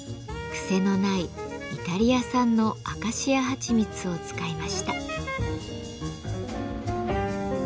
くせのないイタリア産のアカシアはちみつを使いました。